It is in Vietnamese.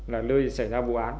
là nơi xảy ra vụ án